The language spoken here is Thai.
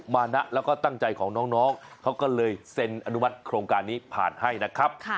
มานะแล้วก็ตั้งใจของน้องเขาก็เลยเซ็นอนุมัติโครงการนี้ผ่านให้นะครับ